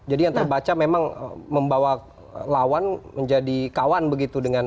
yang terbaca memang membawa lawan menjadi kawan begitu dengan